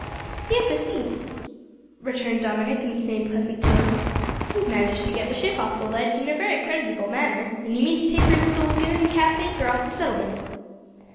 "Yes, I see," returned Dominick, in the same pleasant tone. "You've managed to get the ship off the ledge in a very creditable manner, and you mean to take her into the lagoon and cast anchor off the settlement?"